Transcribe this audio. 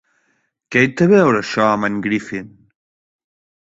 Què hi té a veure això amb en Griffin?